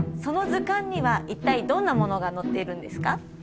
その図鑑には一体どんなものが載っているんですか？